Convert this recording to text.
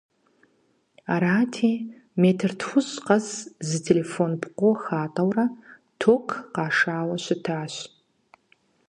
Арати, метр тхущӀ къэс зы телефон пкъо хатӀэурэ ток къашауэ щытащ.